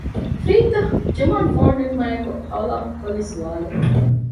ފްރީތަ؟ ޖުމާން ފޯނު ނެގުމާއެކު ހައުލާ ކޮށްލީ ސްވާލެއް